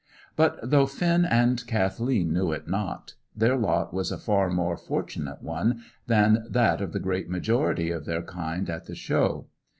But though Finn and Kathleen knew it not, their lot was a far more fortunate one than that of the great majority of their kind at the Show.